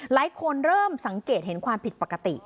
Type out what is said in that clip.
เริ่มสังเกตเห็นความผิดปกติ